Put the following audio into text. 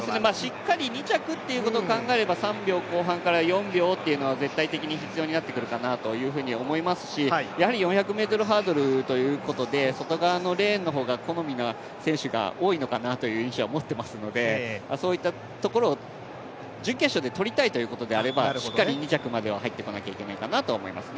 しっかり２着ということを考えると３秒後半から４秒というのは絶対的に必要になってくるかなとは思いますし、やはり４００ｍハードルということで外側のレーンの方が好みな選手が多いのかなという印象は持ってますのでそういったところを準決勝でとりたいということであればしっかり２着までは入ってこないといけないかなと思いますね。